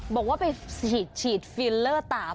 บอกว่าไปฉีดฟิลเลอร์ตาบ